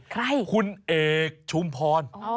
ใครคุณเอกชุมพร